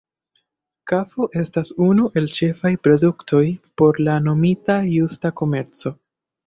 Kafo estas unu el ĉefaj produktoj por la nomita Justa komerco.